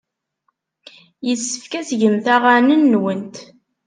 Yessefk ad tgemt aɣanen-nwent.